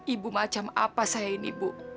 ibu macam apa saya ini bu